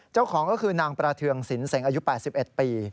เจ้าของก็คือนางประเทืองสินเสงอายุ๘๑ปี